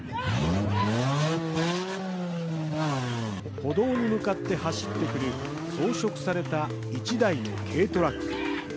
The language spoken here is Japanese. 歩道に向かって走ってくる装飾された１台の軽トラック。